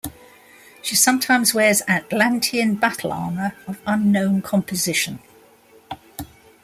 She sometimes wears Atlantean battle armor of unknown composition.